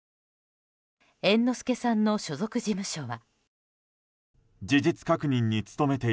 猿之助さんの所属事務所は。